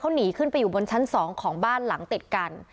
หนีขึ้นไปอยู่บนชั้น๒ของบ้านหลังติดกัน